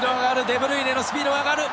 デブルイネのスピードが上がる！